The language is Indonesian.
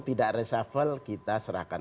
tidak resafel kita serahkan